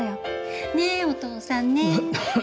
ねえお父さんねえ。